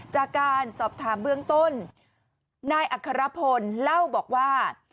จากการสอบถามเบื้องต้นนายอัครพลเล่าบอกว่า